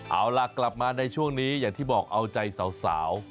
เอาล่ะกลับมาในช่วงนี้อย่างที่บอกเอาใจสาว